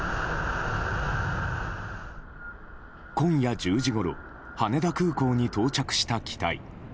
今夜１０時ごろ羽田空港に到着した機体。